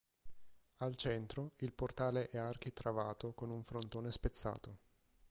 Al centro il portale è architravato con un frontone spezzato.